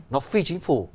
nó phi chính phủ